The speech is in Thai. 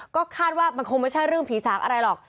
ก็คาดว่ามันคงไม่ใช่เรื่องผีสางอะไรหรอก